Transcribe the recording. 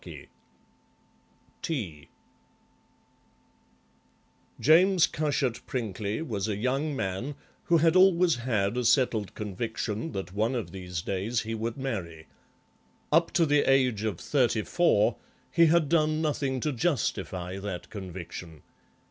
TEA James Cushat Prinkly was a young man who had always had a settled conviction that one of these days he would marry; up to the age of thirty four he had done nothing to justify that conviction.